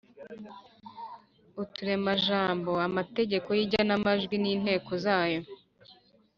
uturemajambo, amategeko y'igenamajwi n’inteko zayo.